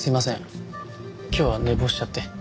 今日は寝坊しちゃって。